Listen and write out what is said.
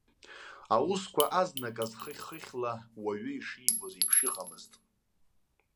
Аусқәа азнаказ хыхь-хыхьла уаҩы ишибоз еиԥш иҟамызт.